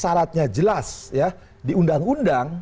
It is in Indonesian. syaratnya jelas ya di undang undang